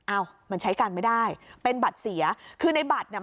อ้าวมันใช้กันไม่ได้เป็นบัตรเสียคือในบัตรเนี่ย